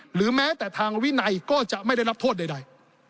หรือแม้แต่ทางวินัยก็จะไม่ได้รับโทษใด